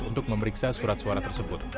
untuk memeriksa surat suara tersebut